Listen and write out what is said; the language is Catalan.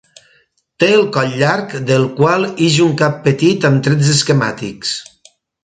Té el coll llarg, del qual ix un cap petit amb trets esquemàtics.